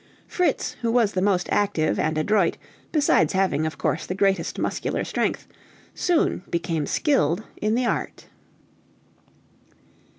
Fritz, who was the most active and adroit, besides having, of course, the greatest muscular strength, soon became skilled in the art.